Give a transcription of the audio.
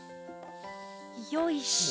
よいしょ。